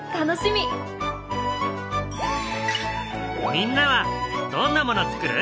みんなはどんなものつくる？